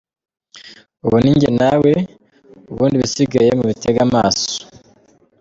Ubu nijye na we ubundi ibisigaye mubitege amaso.